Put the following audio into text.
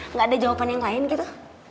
nggak ada jawaban yang lain gitu